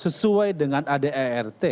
sesuai dengan adert